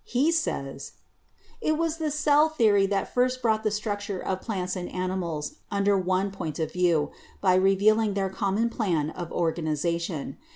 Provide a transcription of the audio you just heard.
He says : "It was the cell theory that first brought the struc ture of plants and animals under one point of view, by revealing their common plan of organization.